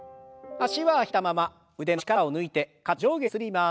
脚は開いたまま腕の力を抜いて肩を上下にゆすります。